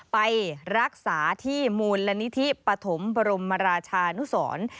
ไปรักษาที่มูลนิธิปฐมบรมราชานุสร